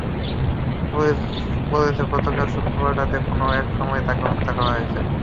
Police বলছে, গতকাল শুক্রবার রাতের কোনো একসময় তাঁকে হত্যা করা হয়।